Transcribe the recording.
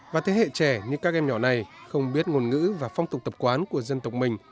và thế hệ trẻ như các em nhỏ này không biết ngôn ngữ và phong tục tập quán của dân tộc mình